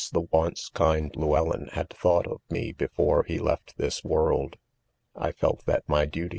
the once kind ■Llewellyn! had thought of ike before lie left this world,, ' I felt that, say 4jUy.